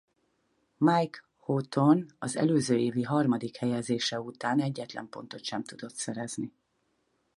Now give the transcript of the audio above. Mike Hawthorn az előző évi harmadik helyezése után egyetlen pontot sem tudott szerezni.